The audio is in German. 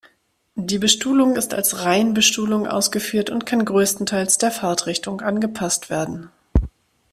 Die Bestuhlung ist als Reihenbestuhlung ausgeführt und kann größtenteils der Fahrtrichtung angepasst werden.